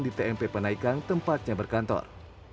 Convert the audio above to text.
di tmp panaikang tempatnya berkantor